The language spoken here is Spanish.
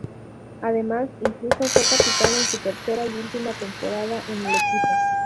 Además incluso fue capitán en su tercera y última temporada en el equipo.